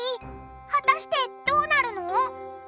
果たしてどうなるの？